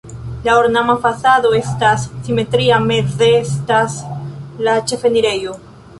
La ornama fasado estas simetria, meze estas la ĉefenirejo.